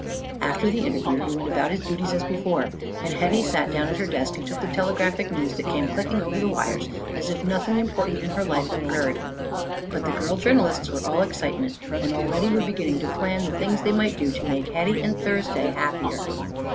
After the interview he went about his duties as before and Hetty sat down at her desk and took the telegraphic news that came clicking over the wire as if nothing important in her life had occurred. But the girl journalists were all excitement and already were beginning to plan the things they might do to Make Hetty and Thursday happier.